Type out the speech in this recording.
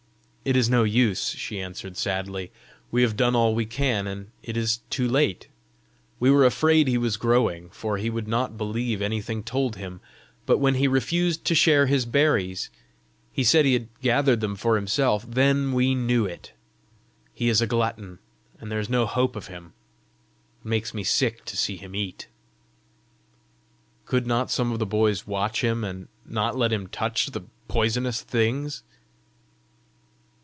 "It is no use," she answered sadly. "We have done all we can, and it is too late! We were afraid he was growing, for he would not believe anything told him; but when he refused to share his berries, and said he had gathered them for himself, then we knew it! He is a glutton, and there is no hope of him. It makes me sick to see him eat!" "Could not some of the boys watch him, and not let him touch the poisonous things?"